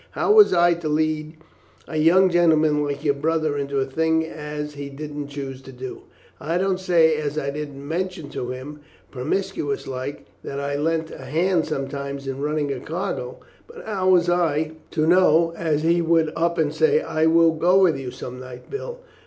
"How was I to lead a young gentleman like your brother into a thing as he didn't choose to do? I don't say as I didn't mention to him, promiscuous like, that I lent a hand some times in running a cargo; but how was I to know as he would up and say, 'I will go with you some night, Bill.'